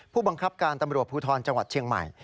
ผู้บังคับการตำรวจภูทรจังหวัดเชียงใหม่